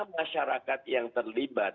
masyarakat yang terlibat